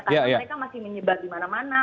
karena mereka masih menyebab di mana mana